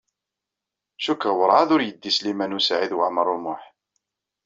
Cikkeɣ werɛad ur yeddi Sliman U Saɛid Waɛmaṛ U Muḥ.